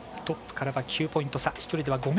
トップからは９ポイント差。